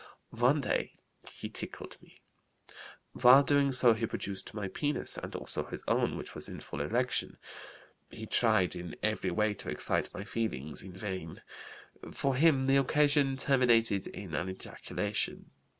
One day he tickled me. While doing so he produced my penis and also his own, which was in full erection. He tried in every way to excite my feelings, in vain. For him the occasion terminated in an ejaculation.